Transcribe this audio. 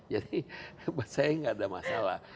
jadi buat saya gak ada masalah